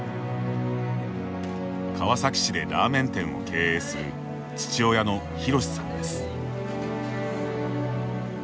川崎市でラーメン店を経営する父親の宏さんです。